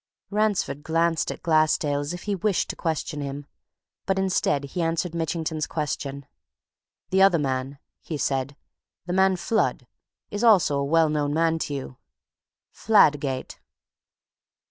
Ransford glanced at Glassdale as if he wished to question him, but instead he answered Mitchington's question. "The other man," he said, "the man Flood, is also a well known man to you. Fladgate!"